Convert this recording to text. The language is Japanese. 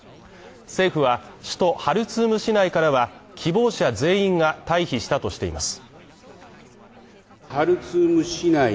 政府は、首都ハルツーム市内からは、希望者全員が退避したとしています。